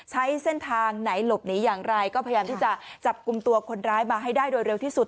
ใช้เส้นทางไหนหลบหนีอย่างไรก็พยายามที่จะจับกลุ่มตัวคนร้ายมาให้ได้โดยเร็วที่สุด